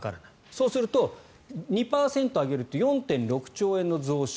そうすると、２％上げると４．６兆円の増収。